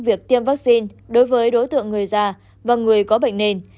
việc tiêm vaccine đối với đối tượng người già và người có bệnh nền